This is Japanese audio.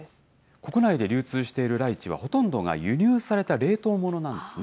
国内で流通しているライチは、ほとんどが輸入された冷凍ものなんですね。